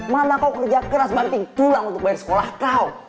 mana kau kerja keras banting tulang untuk bayar sekolah kau